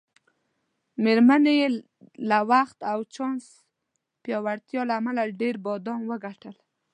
میرمنې یې له بخت او چانس پیاوړتیا له امله ډېر بادام وګټل.